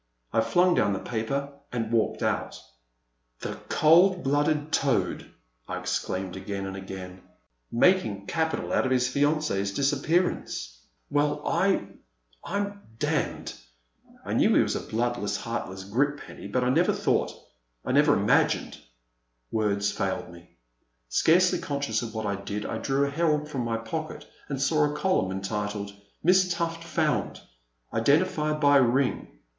I fiung down the paper and walked out. 328 A Pleasant Evening. '* The cold blooded toad !'' I exclaimed again and again; —making capital out of his fiancee's disappearance ! Well, I — I 'm d — ^nd ! I knew he was a bloodless, heartless, grip penny, but I never thought — I never imagined Words failed me. Scarcely conscious of what I did I drew a Herald from my pocket and saw the column entitled :Miss Tufil Found ! Identified by a Ring.